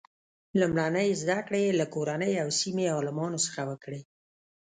لومړنۍ زده کړې یې له کورنۍ او سیمې عالمانو څخه وکړې.